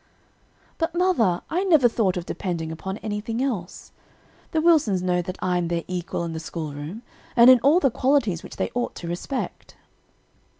"But, mother, I never thought of depending upon anything else. The Wilsons know that I am their equal in the school room, and in all the qualities which they ought to respect."